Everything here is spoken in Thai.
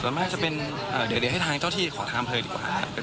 สำหรับแม่ก็จะเป็นเดี๋ยวให้ทางเจ้าที่ขอทำเลยดีกว่าครับ